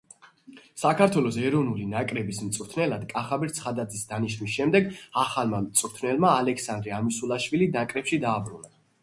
საქართველოს ეროვნული ნაკრების მწვრთნელად კახაბერ ცხადაძის დანიშნვის შემდეგ, ახალმა მწვრთნელმა ალექსანდრე ამისულაშვილი ნაკრებში დააბრუნა.